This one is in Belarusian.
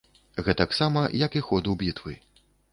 Гэтаксама як і ходу бітвы.